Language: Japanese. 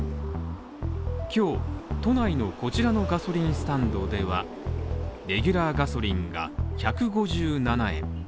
今日都内のこちらのガソリンスタンドでは、レギュラーガソリンが１５７円。